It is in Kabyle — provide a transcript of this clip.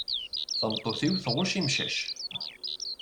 Tameṭṭut-iw tɣucc imcac.